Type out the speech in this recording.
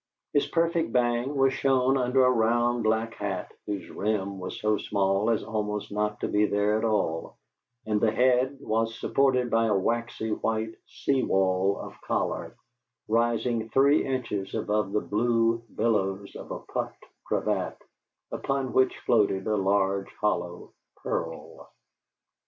This perfect bang was shown under a round black hat whose rim was so small as almost not to be there at all; and the head was supported by a waxy white sea wall of collar, rising three inches above the blue billows of a puffed cravat, upon which floated a large, hollow pearl.